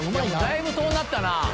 だいぶ遠なったなぁ